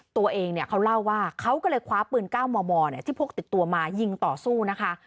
ตัวเองเนี้ยเขาเล่าว่าเขาก็เลยคว้าปืนก้าวมอร์มอร์เนี้ยที่พกติดตัวมายิงต่อสู้นะคะ